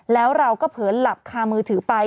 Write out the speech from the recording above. แล้วเราก็เผินหลับคามือถือไป